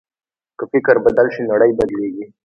که فکر بدل شي، نړۍ بدلېږي.